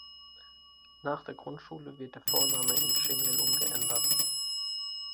Nach der Grundschule wird der Vorname in Cemil umgeändert.